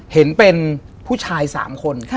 เห็นเป็นผู้ชาย๓คน